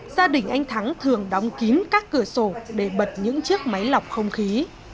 gia đình anh thắng thường đóng kín các cửa sổ để bật những chiếc máy lọc không khí